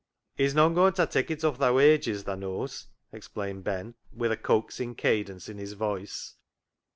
" He's none goin' ta knock it off thy wages, tha knows," explained Ben, with a coaxing cadence in his voice.